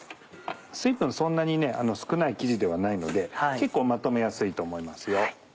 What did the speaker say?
水分そんなに少ない生地ではないので結構まとめやすいと思いますよ。